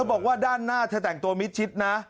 บอกว่าด้านหน้าเธอแต่งตัวมิดชิดนะ